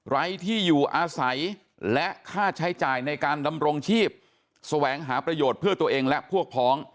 ไร้ที่อยู่อาศัยและค่าใช้จ่ายในการดำรงชีพแสวงหาประโยชน์เพื่อตัวเองและพวกพ้อง